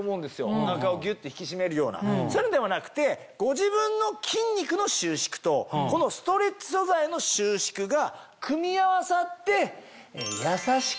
お腹をギュって引き締めるようなそういうのではなくてご自分の筋肉の収縮とこのストレッチ素材の収縮が組み合わさって。